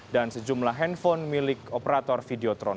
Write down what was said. dan sejumlah handphone milik operator videotron